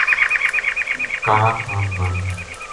کالا خان بانیو